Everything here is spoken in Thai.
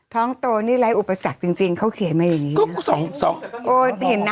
ท้องโตนี่ไร้อุปสรรคจริงเขาเขียนมาอย่างนี้นะ